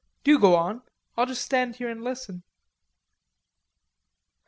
Do go on. I'll just stand here and listen."